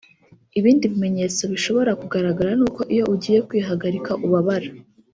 Ibindi bimenyetso bishobora kugaragara ni uko iyo ugiye kwihagarika ubabara